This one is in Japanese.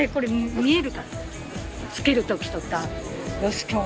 見える